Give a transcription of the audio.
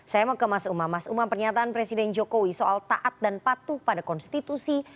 saya mau ke mas umam mas umam pernyataan presiden jokowi soal taat dan patuh pada konstitusi